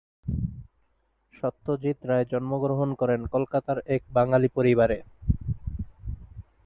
সত্যজিৎ রায় জন্মগ্রহণ করেন কলকাতার এক বাঙালি পরিবারে।